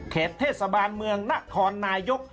เทศบาลเมืองนครนายก